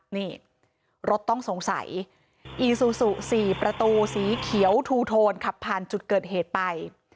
นี่รถต้องสงสัยอีซูซู๔ประตูสีเขียวทูโทนขับผ่านจุดเกิดเหตุไป